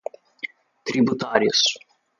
tributários